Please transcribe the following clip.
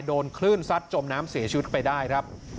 โดนคลื่นซัดจมน้ำเสียชีวิตไปได้ครับ